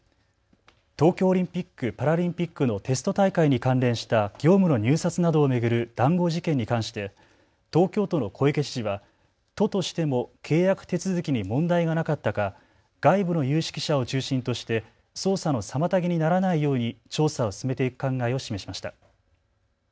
東京オリンピック・パラリンピックのテスト大会に関連した業務の入札などを巡る談合事件に関して東京都の小池知事は都としても契約手続きに問題がなかったか外部の有識者を中心として捜査の妨げにならないように調査を進めていく考えを示しました。